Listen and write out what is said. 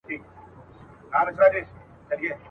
شهنشاه یمه د غرونو زه زمری یم.